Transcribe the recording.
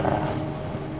tanpa kamu minta